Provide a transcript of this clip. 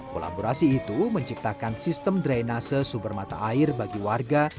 kolaborasi itu menciptakan sistem drainase sumber mata air bagi warga